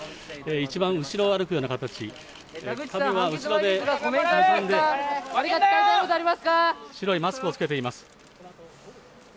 一番後ろを歩くような形、髪は後ろで結んで、白いマスクを着けています。